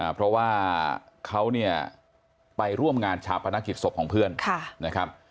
เพราะว่าเขาไปร่วมงานชาปนคริสต์ศพของเพื่อน